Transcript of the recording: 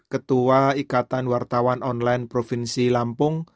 ketua ikatan wartawan online provinsi lampung